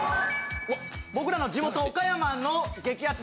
僕らの地元・岡山の激アツ